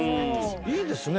いいですね